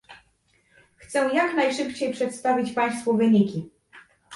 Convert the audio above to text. Chcę jak najszybciej przedstawić Państwu wyniki